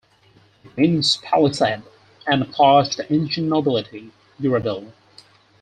It means "palisade", and applies to the ancient nobility, Uradel.